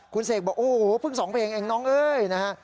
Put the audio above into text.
คุณเสกบอกโอ้โหเพิ่ง๒เพลงเองน้องเอ้ยนะฮะ